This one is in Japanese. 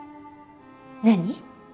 何？